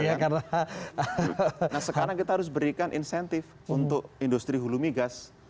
nah sekarang kita harus berikan insentif untuk industri hulu migas